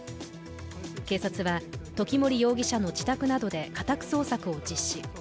警察は時森容疑者の自宅などで家宅捜索を実施。